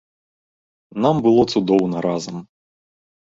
Нам было цудоўна разам.